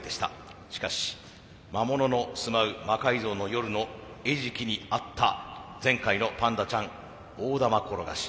しかし魔物のすまう「魔改造の夜」の餌食にあった前回のパンダちゃん大玉転がし。